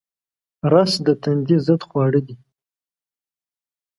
رس د تندې ضد خواړه دي